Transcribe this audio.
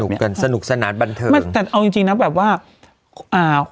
กันสนุกสนานบันเทิงไม่แต่เอาจริงจริงนะแบบว่าอ่า